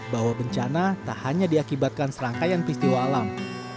bahwa bencana tak hanya diakibatkan serangkaian peristiwa alam